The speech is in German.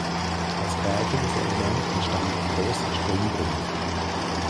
Als prägendes Element entstand ein großer Springbrunnen.